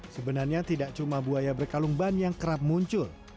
sebenarnya tidak cuma buaya berkalung ban yang kerap muncul